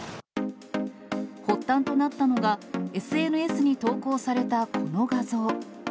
発端となったのが、ＳＮＳに投稿されたこの画像。